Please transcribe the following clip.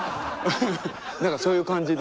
何かそういう感じで。